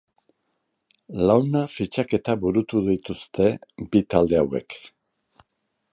Launa fitxaketa burutu dituzte bi talde hauek.